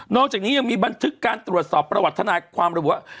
อกจากนี้ยังมีบันทึกการตรวจสอบประวัติธนายความระบุว่า